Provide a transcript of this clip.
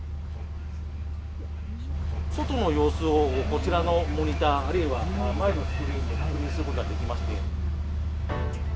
外の様子を、こちらのモニター、あるいは前のスクリーンで確認することができまして。